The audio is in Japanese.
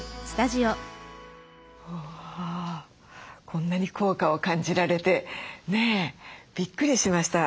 こんなに効果を感じられてねえびっくりしました。